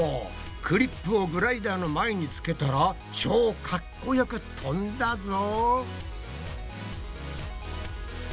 クリップをグライダーの前につけたら超かっこよく飛んだぞ！